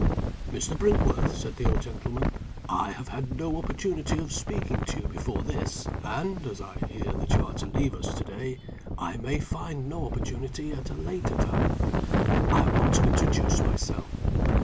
"Mr. Brinkworth," said the old gentleman, "I have had no opportunity of speaking to you before this; and (as I hear that you are to leave us, to day) I may find no opportunity at a later time. I want to introduce myself.